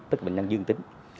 tức bệnh nhân dương tính